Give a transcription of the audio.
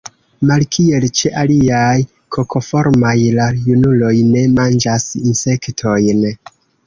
Malkiel ĉe aliaj kokoformaj, la junuloj ne manĝas insektojn.